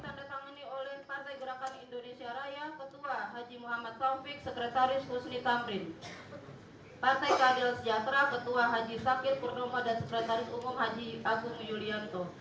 umum haji agung yulianto